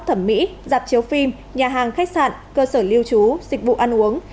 thẩm mỹ dạp chiếu phim nhà hàng khách sạn cơ sở lưu trú dịch vụ ăn uống